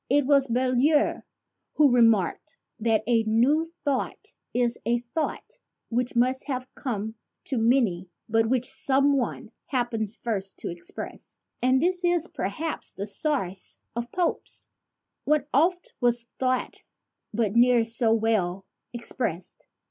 It was Boileau who remarked that "a new thought is a thought which must have come to many but which some one happens first to express," and this is per haps the source of Pope's " What oft was thought, but ne'er so well expressed."